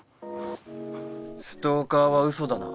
ストーカーはうそだな？